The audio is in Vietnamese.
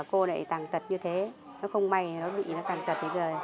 cô này tàng tật như thế không may nó bị tàng tật